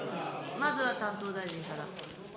まずは担当大臣から。